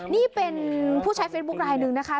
นี่เป็นผู้ใช้เฟซบุ๊คไลนึงนะคะ